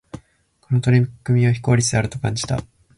この取り組みは、非効率的であると感じた。